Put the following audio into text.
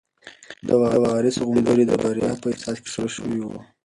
د وارث غومبوري د بریا په احساس کې سره شوي وو.